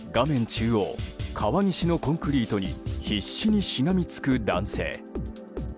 中央、川岸のコンクリートに必死にしがみつく男性。